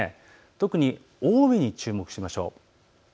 特に青梅に注目してみましょう。